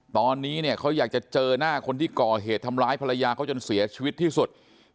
ตอนนี้เนี่ยเขาอยากจะเจอหน้าคนที่ก่อเหตุทำร้ายภรรยาเขาจนเสียชีวิตที่สุด